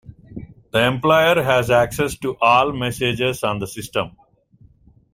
The employer has access to all messages on the system.